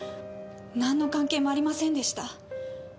なんの関係もありませんでした。